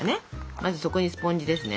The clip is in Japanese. まず底にスポンジですね。